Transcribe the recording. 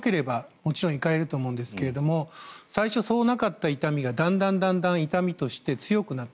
もちろん痛みが強ければもちろん行かれると思うんですが最初、そうなかった痛みがだんだん痛みとして強くなった。